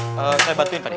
saya bantuin pak de